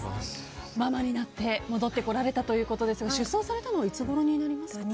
ママになって戻ってこられたということですが出産されたのはいつごろになりますか？